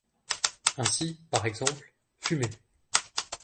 Ainsi, par exemple, fumer.